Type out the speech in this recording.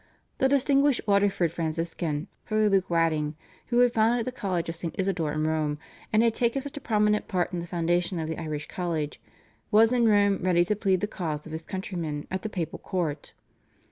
The distinguished Waterford Franciscan, Father Luke Wadding, who had founded the College of St. Isidore in Rome and had taken such a prominent part in the foundation of the Irish College, was in Rome ready to plead the cause of his countrymen at the Papal Court.